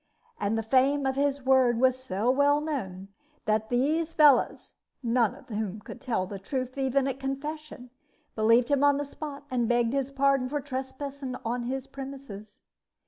And the fame of his word was so well known that these fellows (none of whom could tell the truth, even at confession) believed him on the spot, and begged his pardon for trespassing on his premises.